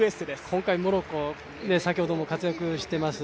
今回モロッコも先ほども活躍しています